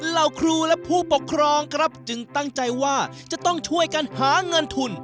เหล่าครูและผู้ปกครองครับจึงตั้งใจว่าจะต้องช่วยกันหาเงินทุน